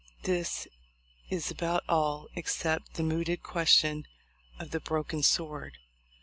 This is about all, except the mooted question of the broken sword.